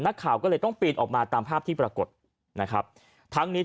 นักข่าวก็เลยต้องปีนออกมาตามภาพที่ปรากฏนะครับทั้งนี้